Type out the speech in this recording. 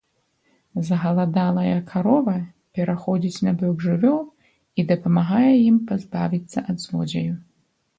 Згаладалая карова пераходзіць на бок жывёл і дапамагае ім пазбавіцца ад злодзея.